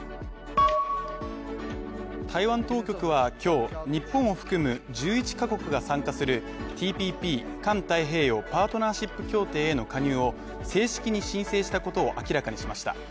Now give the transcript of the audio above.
台湾当局は今日、日本を含む１１ヶ国が参加するＴＰＰ＝環太平洋パートナーシップ協定への加入を正式に申請したことを明らかにしました。